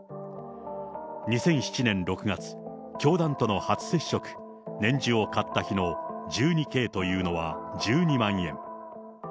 ２００７年６月、教団との初接触、念珠を買った日の１２Ｋというのは１２万円。